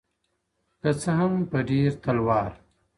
که څه هم په ډېر تلوار -